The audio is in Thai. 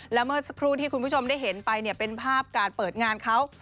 และเมื่อสักครู่ที่คุณผู้ชมได้เห็นไปเป็นภาพการเปิดงานเขา